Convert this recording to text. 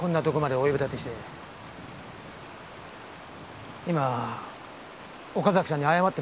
今岡崎さんに謝って参りました。